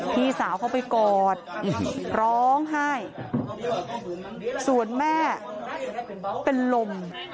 พี่สาวเข้าไปกอดร้องไห้ส่วนแม่เป็นลม